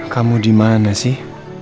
kamu di mana sih